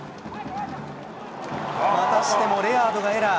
またしてもレアードがエラー。